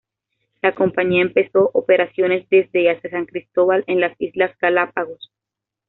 La compañía empezó operaciones desde y hacia San Cristóbal en las Islas Galápagos.